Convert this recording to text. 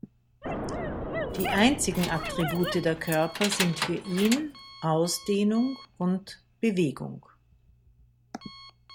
Die einzigen Attribute der Körper sind für ihn Ausdehnung und Bewegung.